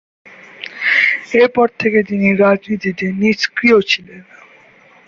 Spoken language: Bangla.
এরপর থেকে তিনি রাজনীতিতে নিষ্ক্রিয় ছিলেন।